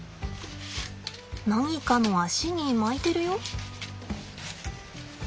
何かの脚に巻いてるよ。